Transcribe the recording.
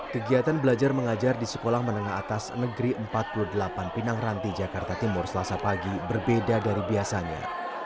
kegiatan belajar mengajar di sekolah menengah atas negeri empat puluh delapan pinang ranti jakarta timur selasa pagi berbeda dari biasanya